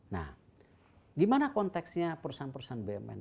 nah gimana konteksnya perusahaan perusahaan bumn